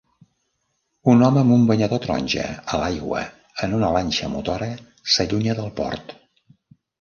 Un home amb un banyador taronja a l'aigua en una llanxa motora s'allunya del port.